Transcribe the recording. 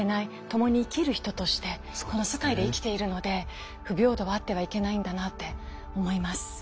ともに生きる人としてこの世界で生きているので不平等はあってはいけないんだなって思います。